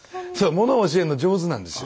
もの教えんの上手なんですよ。